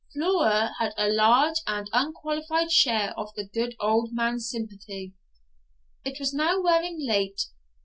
Flora had a large and unqualified share of the good old man's sympathy. It was now wearing late.